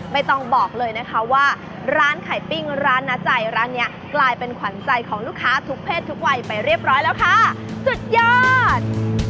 ไม่ต้องบอกเลยนะคะว่าร้านไข่ปิ้งร้านนาใจร้านนี้กลายเป็นขวัญใจของลูกค้าทุกเพศทุกวัยไปเรียบร้อยแล้วค่ะสุดยอด